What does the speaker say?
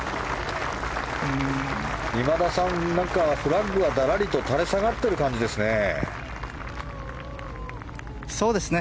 今田さん、なんかフラッグはだらりと垂れ下がっている感じですね。